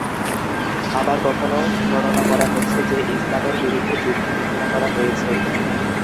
আবার কখনও বর্ণনা করা হচ্ছে যে, "ইসলামের বিরুদ্ধে যুদ্ধ" ঘোষণা করা হয়েছে।